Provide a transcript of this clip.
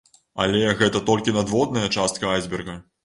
Але, гэта толькі надводная частка айсберга.